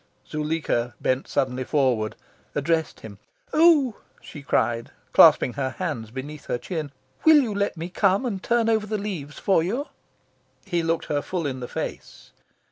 Zuleika bent suddenly forward, addressed him. "Oh," she cried, clasping her hands beneath her chin, "will you let me come and turn over the leaves for you?" He looked her full in the face.